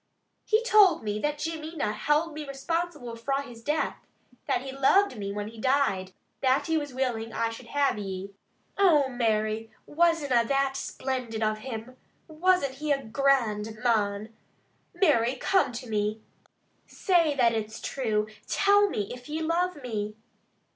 "He told me that Jimmy na held me responsible fra his death. That he loved me when he died. That he was willing I should have ye! Oh, Mary, wasna that splendid of him. Wasna he a grand mon? Mary, come to me. Say that it's true! Tell me, if ye love me."